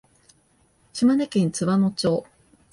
島根県津和野町